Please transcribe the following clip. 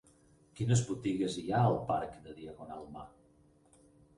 Quines botigues hi ha al parc de Diagonal Mar?